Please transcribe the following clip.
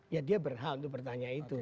ya dia berhak untuk bertanya itu